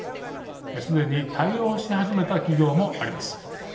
すでに対応し始めた企業もあります。